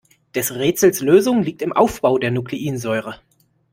Des Rätsels Lösung liegt im Aufbau der Nukleinsäure.